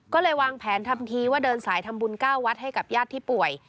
ก็เลยวางแผนทำทีว่าเดินสายทำบุญ๙วัดให้กับญาติที่ป่วย